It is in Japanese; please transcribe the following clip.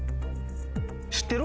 知ってる？